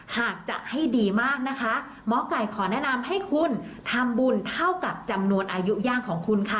หากจะให้ดีมากนะคะหมอไก่ขอแนะนำให้คุณทำบุญเท่ากับจำนวนอายุย่างของคุณค่ะ